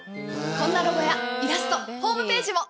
こんなロゴやイラストホームページも！